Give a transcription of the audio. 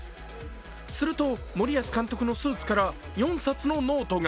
すると、森保監督のスーツから４冊のノートが。